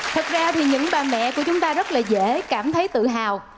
thật ra thì những bà mẹ của chúng ta rất là dễ cảm thấy tự hào